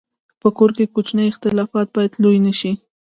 په کور کې کوچني اختلافات باید لوی نه شي.